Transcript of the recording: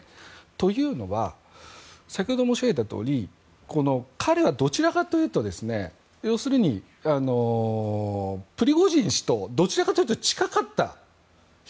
というのは先ほど申し上げたとおり彼はプリゴジン氏とどちらかというと近かった人。